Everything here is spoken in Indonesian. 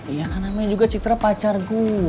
iya kan namanya juga citra pacar gue